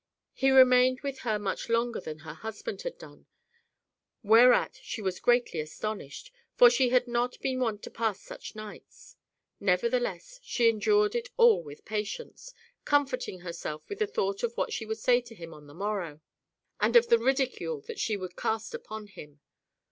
He remained with her much longer than her husband had done, whereat she was greatly astonished, for she had not been wont to pass such nights. Nevertheless, she endured it all with patience, comforting herself with the thought of what she would say to him on the morrow, and of the ridicule that she would cast upon him.